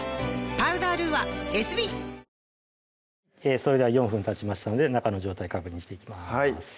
それでは４分たちましたので中の状態確認していきます